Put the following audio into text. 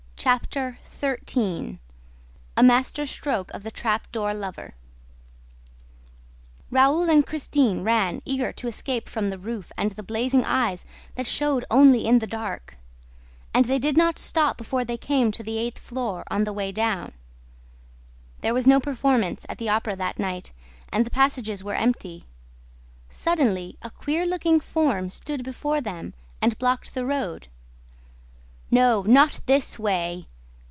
Chapter XIII A Master Stroke of the Trap Door Lover Raoul and Christine ran, eager to escape from the roof and the blazing eyes that showed only in the dark; and they did not stop before they came to the eighth floor on the way down. There was no performance at the Opera that night and the passages were empty. Suddenly, a queer looking form stood before them and blocked the road: "No, not this way!"